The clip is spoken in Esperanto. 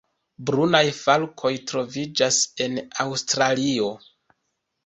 Brunaj falkoj troviĝas en Aŭstralio.